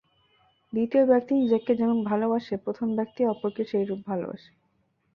দ্বিতীয় ব্যক্তি নিজেকে যেমন ভালবাসে, প্রথম ব্যক্তি অপরকে সেইরূপ ভালবাসে।